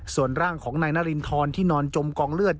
ส่วนร่างของนายนารินทรที่นอนจมกองเลือด